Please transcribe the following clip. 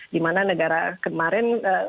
dimana negara kemarin